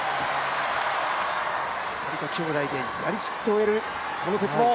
しっかりと兄弟でやりきって終える、この鉄棒。